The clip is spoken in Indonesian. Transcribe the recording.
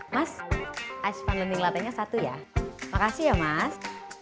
mas ice fun landing latte nya satu ya makasih ya mas